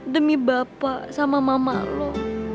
demi bapak sama mama lo